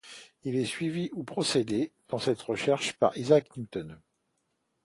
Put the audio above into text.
Il est suivi ou précédé dans cette recherche par Isaac Newton.